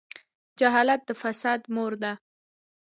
جهالت د فساد مور ده.